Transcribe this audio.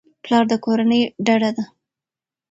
پلار د کورنۍ ډډه ده.